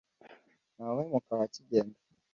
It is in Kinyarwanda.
nta wuhemuka aho akigenda